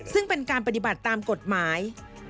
ซึ่งเป็นการปฏิบัติตามกฎหมาย